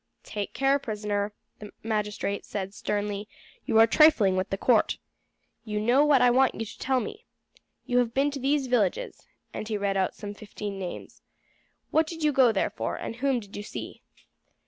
"Take care, prisoner," the magistrate said sternly; "you are trifling with the court. You know what I want you to tell me. You have been to these villages," and he read out some fifteen names. "What did you go there for, and whom did you see?"